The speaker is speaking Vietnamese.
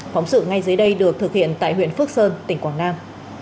phóng sự ngay dưới đây được thực hiện tại huyện phước sơn tỉnh quảng nam